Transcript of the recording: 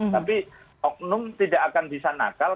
tapi oknum tidak akan bisa nakal